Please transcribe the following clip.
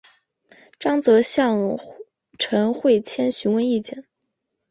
张则向陈惠谦询问意见。